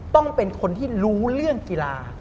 ต้องเป็นคนที่รู้เรื่องกีฬา